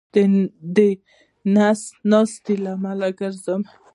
د نس ناستې لامل ګرځي.